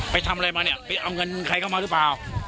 ไปทำอะไรมาเนี่ยไปเอาเงินใครเข้ามาหรือเปล่า